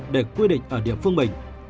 để quy định ở địa phương mình